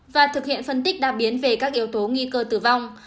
và thực hiện phân tích đặc biến về các yếu tố nghi cơ tử vong